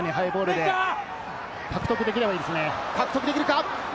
ハイボール、獲得できればいいですね。